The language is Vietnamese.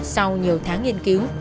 sau nhiều tháng nghiên cứu